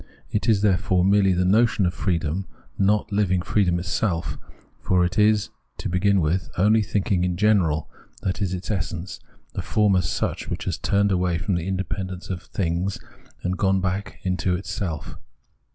It is, therefore, merely the notion of freedom, not living freedom itseK ; for it is, to begin with, only thinking in general that is its essence, the form as such, which has turned away from the independence of things and gone back into itself.